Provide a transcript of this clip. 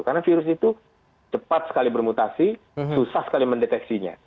karena virus itu cepat sekali bermutasi susah sekali mendeteksinya